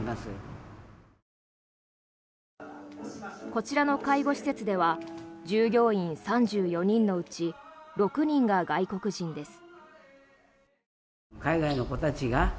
こちらの介護施設では従業員３４人のうち６人が外国人です。